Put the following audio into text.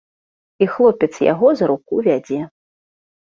І хлопец яго за руку вядзе.